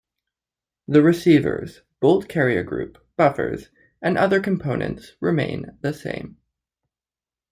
The receivers, bolt carrier group, buffers, and other components remain the same.